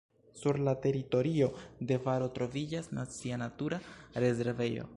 Sur la teritorio de valo troviĝas nacia natura rezervejo.